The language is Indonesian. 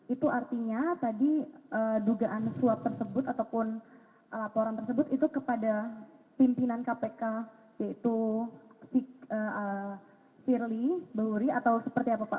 itu artinya tadi dugaan suap tersebut ataupun laporan tersebut itu kepada pimpinan kpk yaitu firly bahuri atau seperti apa pak